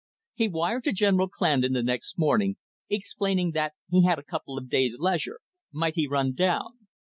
He wired to General Clandon the next morning, explaining that he had a couple of days' leisure; might he run down?